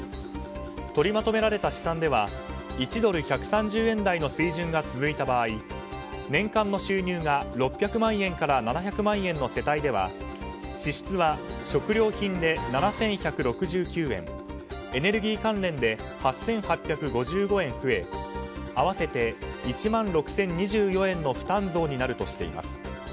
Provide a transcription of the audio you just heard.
取りまとめられた試算では１ドル＝１３０円台の水準が続いた場合年間の収入が６００万円から７００万円の世帯では支出は食料品で７１６９円エネルギー関連で８８５５円増え合わせて１万６０２４円の負担増になるとしています。